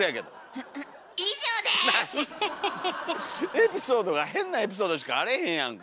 エピソードが変なエピソードしかあれへんやんか。